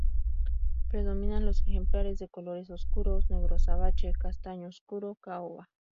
Predominan los ejemplares de colores oscuros: negro azabache, castaño oscuro, caoba.